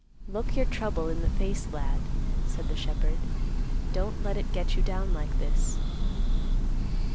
"Look your trouble in the face, lad," said the shepherd; "don't let it get you down like this."